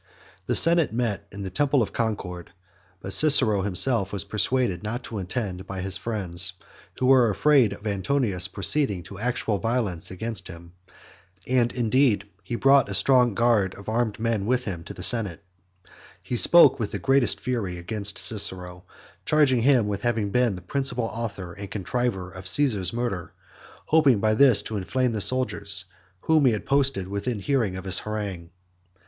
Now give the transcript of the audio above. The senate met in the temple of Concord, but Cicero himself was persuaded not to attend by his friends, who were afraid of Antonius proceeding to actual violence against him, (and indeed he brought a strong guard of armed men with him to the senate) He spoke with the greatest fury against Cicero, charging him with having been the principal author and contriver of Caesar's murder, hoping by this to inflame the soldiers, whom he had posted within hearing of his harangue.